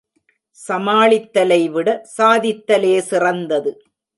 சமாளித்தலை விட சாதித்தலே சிறந்தது.